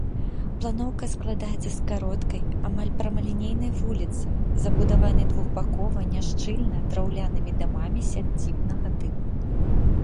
Планоўка складаецца з кароткай, амаль прамалінейнай вуліцы, забудаванай двухбакова, няшчыльна, драўлянымі дамамі сядзібнага тыпу.